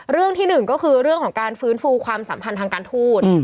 เรื่องที่หนึ่งก็คือเรื่องของการฟื้นฟูความสัมพันธ์ทางการทูต